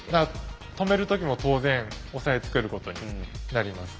止める時も当然押さえつけることになります。